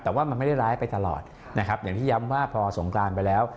แต่ว่ามันไม่ได้ร้ายไปตลอดนะครับอย่างที่ย้ำว่าพอสงกรานไปแล้ว